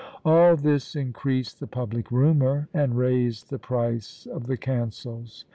All this increased the public rumour, and raised the price of the cancels.